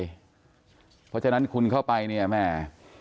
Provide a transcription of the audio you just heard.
เพราะฉะนั้นคุณเข้าไปเนี่ยแม่